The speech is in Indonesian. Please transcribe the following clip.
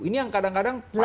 ini yang kadang kadang